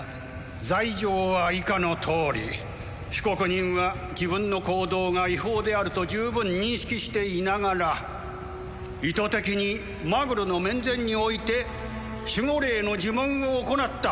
罪状は以下のとおり被告人は自分の行動が違法であると十分認識していながら意図的にマグルの面前において守護霊の呪文を行った